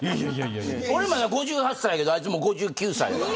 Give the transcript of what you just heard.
俺まだ５８歳やけどあいつもう５９歳。